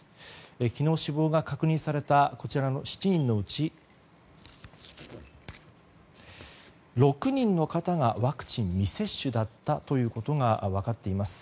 昨日、死亡が確認されたこちらの７人のうち６人の方がワクチン未接種だったということが分かっています。